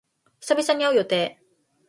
久々に会う予定。